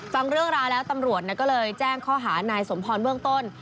ฟังเรื่องราวแล้วตำรวจก็เลยแจ้งข้อหานายสมพรเบื้องต้น